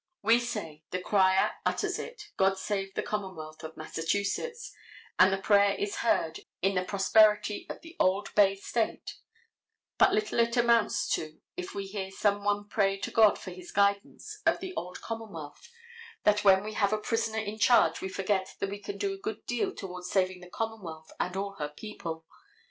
We say, the crier utters it, God save the commonwealth of Massachusetts, and the prayer is heard in the prosperity of the old bay state, but little it amounts to if we hear some one pray to God for his guidance of the old commonwealth that when we have a prisoner in charge we forget that we can do a good deal toward saving the commonwealth and all her people.